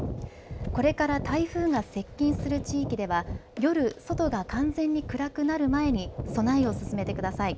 これから台風が接近する地域では、夜、外が完全に暗くなる前に備えを進めてください。